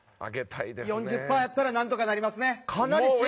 ４０％やったら何とかなりますね。